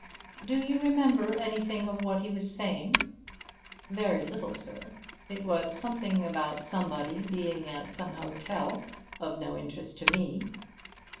"Do you remember anything of what he was saying?" "Very little, sir; it was something about somebody being at some hotel of no interest to me.